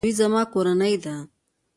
دوی زما کورنۍ ده